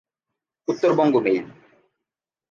Uttarbanga mail